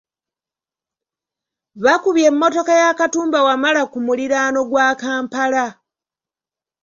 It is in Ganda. Bakubye emmotoka ya Katumba Wamala ku muliraano gwa Kampala.